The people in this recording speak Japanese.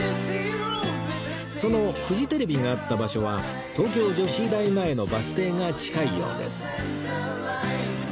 そのフジテレビがあった場所は東京女子医大前のバス停が近いようです